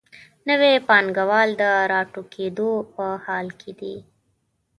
نوي پانګوال د راټوکېدو په حال کې دي.